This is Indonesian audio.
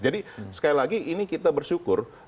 jadi sekali lagi ini kita bersyukur